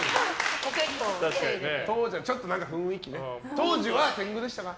当時は天狗でしたか？